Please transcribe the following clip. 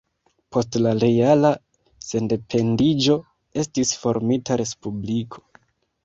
Post la reala sendependiĝo estis formita Respubliko.